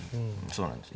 そうなんです。